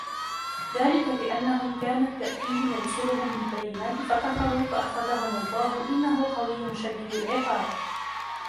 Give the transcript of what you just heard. ذَلِكَ بِأَنَّهُمْ كَانَتْ تَأْتِيهِمْ رُسُلُهُمْ بِالْبَيِّنَاتِ فَكَفَرُوا فَأَخَذَهُمُ اللَّهُ إِنَّهُ قَوِيٌّ شَدِيدُ الْعِقَابِ